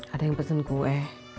ada yang pesen kue